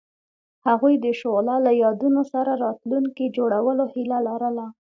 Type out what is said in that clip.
هغوی د شعله له یادونو سره راتلونکی جوړولو هیله لرله.